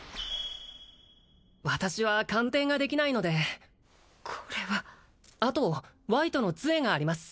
私は鑑定ができないのでこれはあとワイトの杖があります